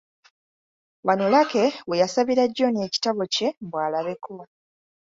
Wano Lucky we yasabira John ekitabo kye mbu alabeko.